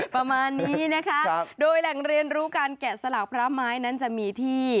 ประมาณนี้นะคะโดยแหล่งเรียนรู้การแกะสลักพระไม้นั้นจะมีที่